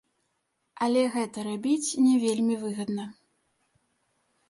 Але гэта рабіць не вельмі выгадна.